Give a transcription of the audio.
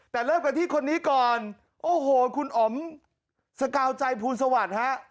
แต่เริ่มกันที่คนนี้ก่อนโอ้โหคุณอ๋อมสกาวใจภูลสวัสดิ์ฮะ